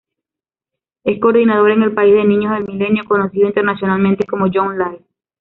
Es Coordinador en el país de Niños del Milenio, conocido internacionalmente como Young Lives.